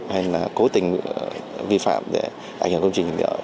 hay là cố tình vi phạm để ảnh hưởng công trình hình lợi